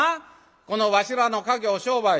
このわしらの稼業商売